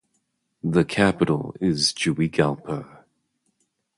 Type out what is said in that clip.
The capital is Juigalpa.